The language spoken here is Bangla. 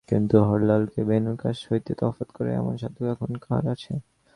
কিন্তু হরলালকে বেণুর কাছ হইতে তফাত করে এমন সাধ্য এখন কাহার আছে।